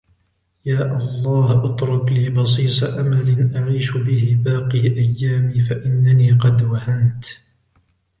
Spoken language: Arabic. يا الله اترك لي بصيص أمل أعيش به باقي أيامي فإنني قد وهنت